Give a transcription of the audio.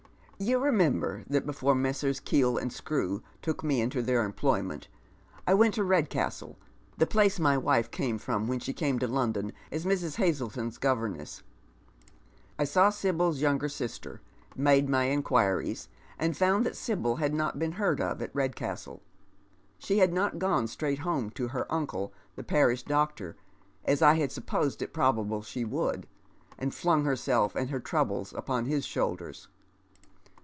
You remember that before Messrs. Keel and Ski ew took me into their employment, T went to RedcasHe, the place my wife cai^e frnm whvii she came to Louuuu as ALs. llazletoa's goverxiees. i saw ii4 Dead Men^s Shoei. Sibyl's younger sister, made my inquiries, and found that Sibyl had not been heard of at Redcastle. She had not gone straight liome to her uncle, the parish doctor, as I had supposed it pro bable she would, and flung herself and her troubles upon his shoulders.